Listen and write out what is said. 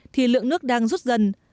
thì lượng nước đang rút dần